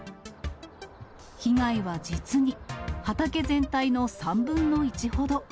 被害は実に畑全体の３分の１ほど。